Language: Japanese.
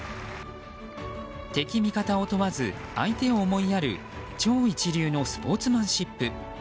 敵味方を問わず相手を思いやる超一流のスポーツマンシップ。